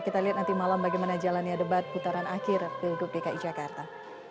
kita lihat nanti malam bagaimana jalannya debat putaran akhir pilgub dki jakarta